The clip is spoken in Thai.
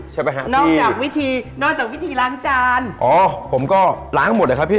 ใช่ไหมฮะนอกจากวิธีนอกจากวิธีล้างจานอ๋อผมก็ล้างหมดเลยครับพี่